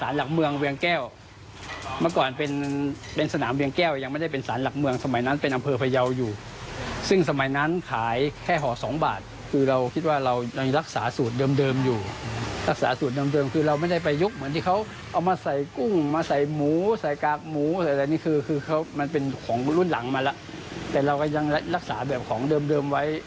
รุ่นหลังมาแล้วแต่เรายังรักษาแบบของเดิมไว้